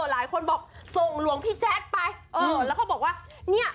มาขอมค์กลับมาเนี้ย